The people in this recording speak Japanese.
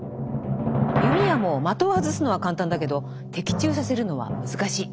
弓矢も的を外すのは簡単だけど的中させるのは難しい。